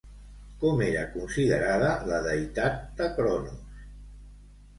Com era considerada la deïtat de Chronos?